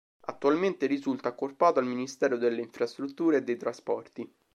Attualmente risulta accorpato al Ministero delle infrastrutture e dei trasporti.